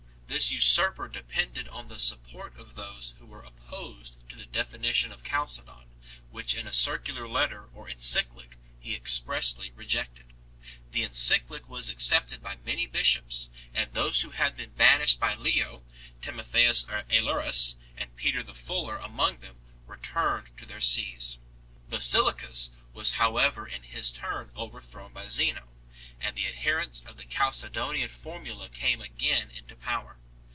This usurper depended on the support of those who were opposed to the Definition of Chalcedon, which in a circular letter or Encyclic 6 he expressly rejected. The Encyclic was accepted by many bishops, and those who had been banished by Leo, Timotheus Aelurus and Peter the Fuller among them, returned to their sees. Basiliscus was however in his turn overthrown by Zeno, and the adherents of the Chalcedonian formula came again into power.